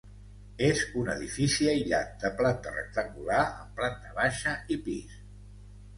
És un edifici aïllat, de planta rectangular, amb planta baixa i pis.